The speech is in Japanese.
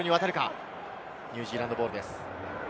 ニュージーランドボールです。